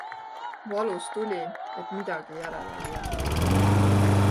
Valus tuli, et midagi järele ei jää.